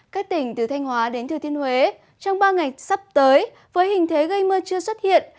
các tỉnh từ thanh hóa đến thừa thiên huế trong ba ngày sắp tới với hình thế gây mưa chưa xuất hiện